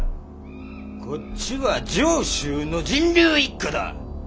こっちは上州の神龍一家だ！